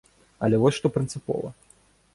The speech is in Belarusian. Але вось што прынцыпова.